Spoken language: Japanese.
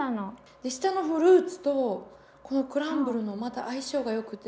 で下のフルーツとこのクランブルのまた相性がよくて。